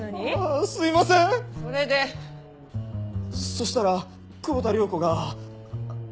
そしたら久保田涼子が。